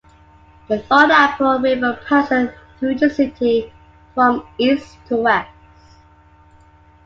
The Thornapple River passes through the city from east to west.